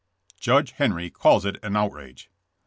JUDGE HENRY CALLS IT AN OUTRAGE.